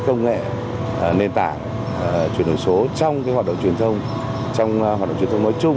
công nghệ nền tảng truyền đổi số trong hoạt động truyền thông nói chung